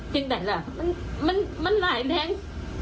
จริงล่ะมันหลายแหล่ง